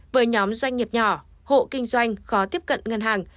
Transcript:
với nhóm doanh nghiệp nhỏ hộ kinh doanh khó tiếp cận ngân hàng